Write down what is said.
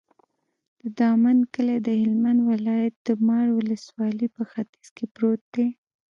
د دامن کلی د هلمند ولایت، د مار ولسوالي په ختیځ کې پروت دی.